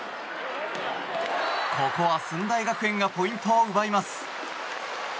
ここは駿台学園がポイントを奪います。